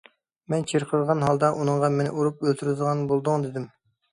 مەن چىرقىرىغان ھالدا ئۇنىڭغا‹ مېنى ئۇرۇپ ئۆلتۈرۈۋېتىدىغان بولدۇڭ› دېدىم.